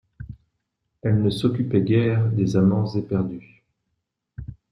Elles ne s'occupaient guère des amants éperdus.